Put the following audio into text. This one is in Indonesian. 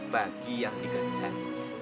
bagi yang dikandalkan